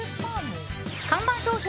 看板商品